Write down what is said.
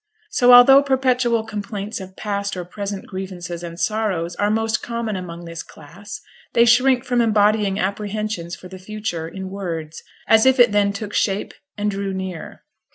So, although perpetual complaints of past or present grievances and sorrows are most common among this class, they shrink from embodying apprehensions for the future in words, as if it then took shape and drew near.